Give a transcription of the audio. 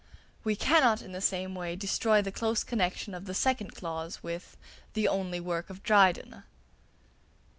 We cannot in the same way destroy the close connexion of the second clause with "the only work of Dryden."